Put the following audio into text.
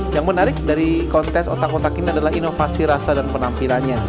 yang menarik dari kontes otak otak ini adalah inovasi rasa dan penampilannya